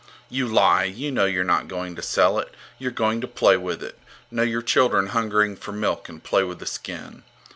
You lie! You know you're not going to sell it. You're going to play with it. Know your children hungering for milk and play with the skin!